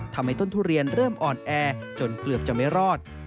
ทำให้ต้นทุเรียนเริ่มอ่อนแอจนเกือบจะไม่รอด